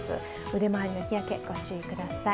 腕まわりの日焼け御注意ください。